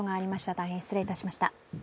大変失礼いたしました。